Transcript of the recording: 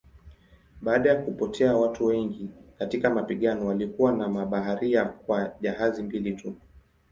Baada ya kupotea watu wengi katika mapigano walikuwa na mabaharia kwa jahazi mbili tu.